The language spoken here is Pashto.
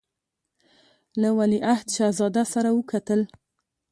له ولیعهد شهزاده سره وکتل.